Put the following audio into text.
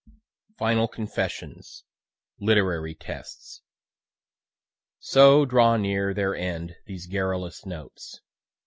FINAL CONFESSIONS LITERARY TESTS So draw near their end these garrulous notes.